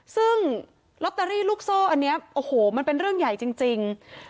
ซึ่งลอตเตอรี่ลูกโซ่อันนี้โอ้โหมันเป็นเรื่องใหญ่จริง